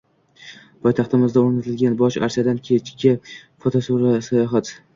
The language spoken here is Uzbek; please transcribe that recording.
Poytaxtimizda o‘rnatilgan bosh archadan kechki fotosayohat